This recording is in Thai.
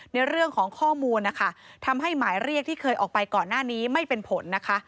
ในเรื่องของข้อมูลนะคะทำให้หมายเรียกที่เคยออกไปก่อนหน้านี้ไม่เป็นผลนะคะ